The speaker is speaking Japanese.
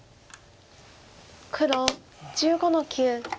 黒１５の九。